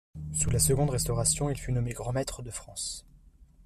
Sous la Seconde Restauration, il fut nommé Grand Maître de France.